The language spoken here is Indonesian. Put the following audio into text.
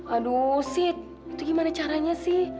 aduh sit itu gimana caranya sih